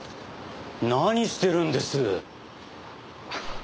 何してるんです？